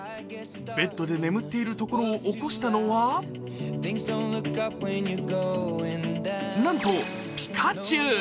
ベッドで眠っているところを起こしたのはなんと、ピカチュウ！